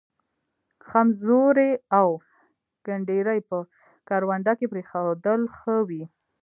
خمزوري او گنډري په کرونده کې پرېښودل ښه وي.